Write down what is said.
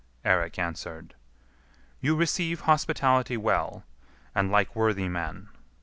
Eirik answered, "You receive hospitality well, and like worthy men.